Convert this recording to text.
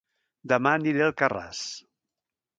Dema aniré a Alcarràs